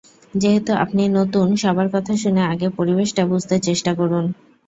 যেহেতু আপনি নতুন, সবার কথা শুনে আগে পরিবেশটা বুঝতে চেষ্টা করুন।